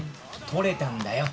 取れたんだよ。